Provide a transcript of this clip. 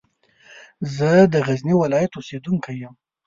زه د غزني ولایت اوسېدونکی یم.